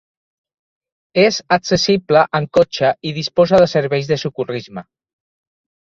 És accessible amb cotxe i disposa de serveis de socorrisme.